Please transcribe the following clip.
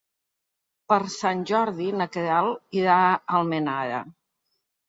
Per Sant Jordi na Queralt irà a Almenara.